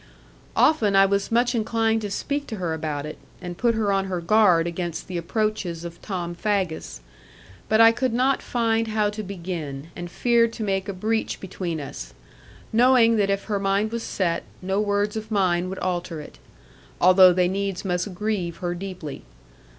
Often I was much inclined to speak to her about it, and put her on her guard against the approaches of Tom Faggus; but I could not find how to begin, and feared to make a breach between us; knowing that if her mind was set, no words of mine would alter it; although they needs must grieve her deeply.